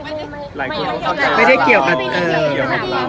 ใช่คือไม่เกี่ยวกัน